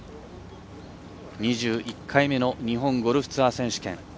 ２１回目の日本ゴルフツアー選手権。